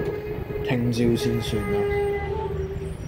聽朝先算啦